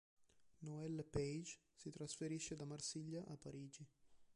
Noelle Page si trasferisce da Marsiglia a Parigi.